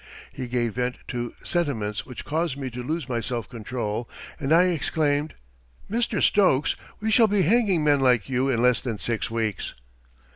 He gave vent to sentiments which caused me to lose my self control, and I exclaimed: "Mr. Stokes, we shall be hanging men like you in less than six weeks."